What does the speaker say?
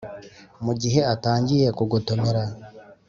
mu gihe atangiye kugotomera,